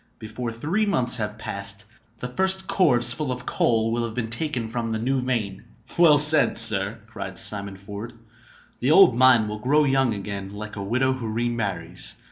Before three months have passed, the first corves full of coal will have been taken from the new vein." "Well said, sir!" cried Simon Ford. "The old mine will grow young again, like a widow who remarries!